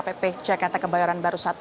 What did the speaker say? pp jakarta kebayoran baru satu